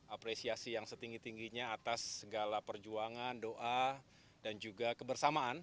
apresiasi yang setinggi tingginya atas segala perjuangan doa dan juga kebersamaan